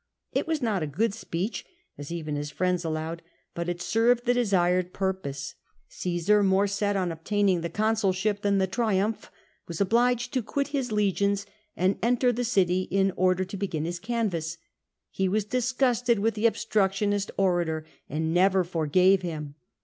It was not a good speech, as even his friends allowed, but it served the desired purpose. Csesar, more set on obtaining the con CATO SILENCED BY C^SAE 217 sulsMp than the trinmph, was obliged to quit his legions and enter the city in order to begin his canvass. He was disgusted with the obstructionist orator, and never forgave him.